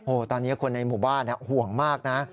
ตอนนี้คนในหมู่บ้านห่วงมากนะ